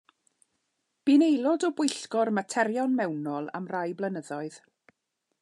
Bu'n aelod o Bwyllgor Materion Mewnol am rai blynyddoedd.